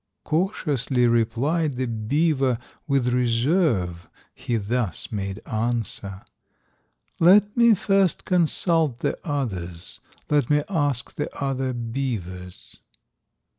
Cautiously replied the beaver, With reserve he thus made answer: "Let me first consult the others, Let me ask the other beavers."